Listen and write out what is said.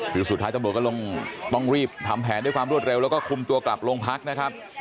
คือสุดท้ายตำรวจก็ต้องรีบทำแผนด้วยความรวดเร็วแล้วก็คุมตัวกลับลงพักนะครับ